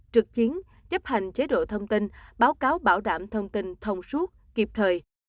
trực chiến chấp hành chế độ thông tin báo cáo bảo đảm thông tin thông suốt kịp thời